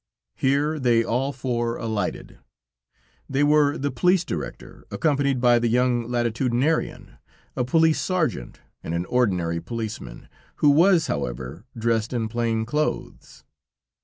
Here they all four alighted; they were the police director, accompanied by the young Latitudinarian, a police sergeant and an ordinary policeman, who was, however, dressed in plain clothes.